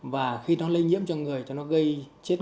và khi nó lây nhiễm cho người cho nó gây chết